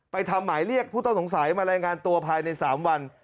ทำหมายเรียกผู้ต้องสงสัยมารายงานตัวภายใน๓วัน